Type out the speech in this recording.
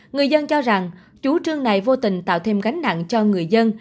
người dân cho rằng chủ trương này vô tình tạo thêm gánh nặng cho người dân